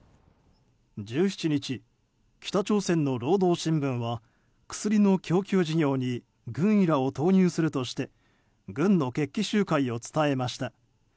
１７日、北朝鮮の労働新聞は薬の供給事業に軍医らを投入するとして軍の決起集会を伝えました。